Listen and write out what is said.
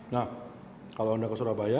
nah kalau anda ke surabaya